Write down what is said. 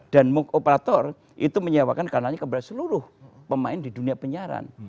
dan move operator itu menyewakan kanannya kepada seluruh pemain di dunia penyiaran